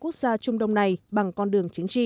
quốc gia trung đông này bằng con đường chính trị